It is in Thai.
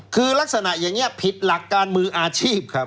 คือลักษณะอย่างนี้ผิดหลักการมืออาชีพครับ